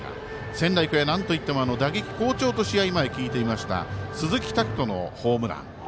仙台育英、なんといっても打撃好調と試合前聞いていました鈴木拓斗のホームラン。